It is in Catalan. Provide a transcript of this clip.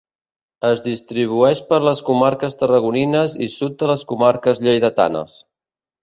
Es distribueix per les comarques tarragonines i sud de les comarques lleidatanes.